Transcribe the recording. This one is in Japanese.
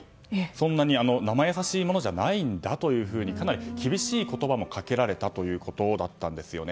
そんなに生易しいもんじゃないんだとかなり厳しい言葉もかけられたということだったんですよね。